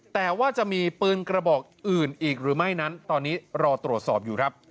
แต่ว่าจะมีปืนกระบอกอื่นอีกหรือไม่นั้นตอนนี้รอตรวจสอบอยู่ครับ